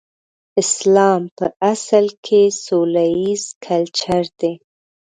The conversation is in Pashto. اسلام په اصل کې سوله ييز کلچر دی.